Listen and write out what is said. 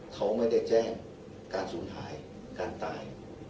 เขาไม่ได้แจ้งการสูญหายการตาย